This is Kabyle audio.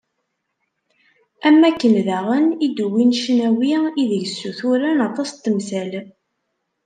Am wakken daɣen, i d-uwin ccnawi ideg ssuturen aṭas n temsal.